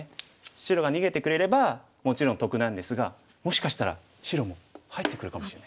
白が逃げてくれればもちろん得なんですがもしかしたら白も入ってくるかもしれないですよね。